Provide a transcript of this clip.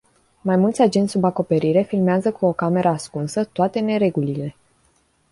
Mai mulți agenți sub acoperire filmează cu o cameră ascunsă, toate neregulile.